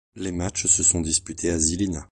Les matchs se sont disputés à Žilina.